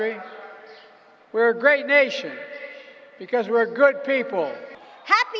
kita adalah negara yang bagus karena kita adalah orang baik